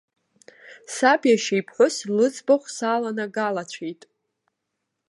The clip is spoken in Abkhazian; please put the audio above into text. Саб иашьа иԥҳәыс лыӡбахә саланагалацәеит.